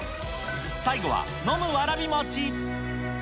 最後は飲むわらびもち。